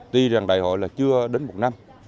tuy rằng đại hội là chưa đến một năm